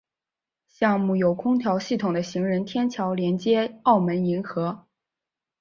项目有空调系统的行人天桥连接澳门银河。